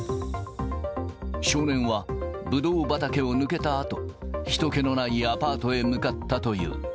少年はブドウ畑を抜けたあと、ひと気のないアパートへ向かったという。